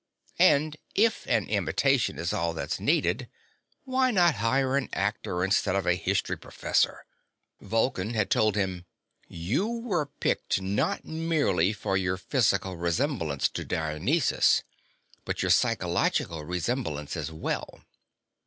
And if an imitation is all that's needed, why not hire an actor instead of a history professor? Vulcan had told him: "You were picked not merely for your physical resemblance to Dionysus, but your psychological resemblance as well."